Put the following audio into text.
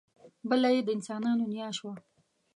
بله یې د انسانانو نیا شوه.